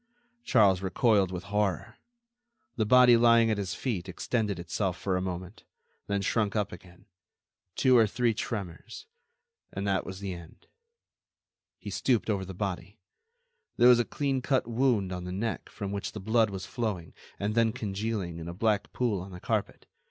Charles recoiled with horror: the body lying at his feet extended itself for a moment, then shrunk up again; two or three tremors, and that was the end. He stooped over the body. There was a clean cut wound on the neck from which the blood was flowing and then congealing in a black pool on the carpet.